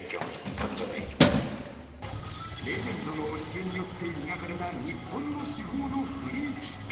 ［レジェンドの教えによって磨かれた日本の至宝のフリーキック］